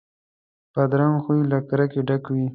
بدرنګه خوی له کرکې ډک وي